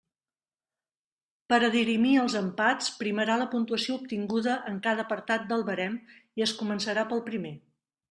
Per a dirimir els empats primarà la puntuació obtinguda en cada apartat del barem, i es començarà pel primer.